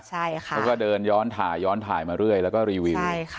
ใช่ค่ะก็เดินย้อนถ่าย้อนถ่ายมาเรื่อยแล้วก็รีวิวใช่ค่ะ